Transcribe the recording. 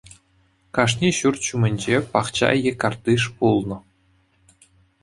Кашни ҫурт ҫумӗнче пахча е картиш пулнӑ.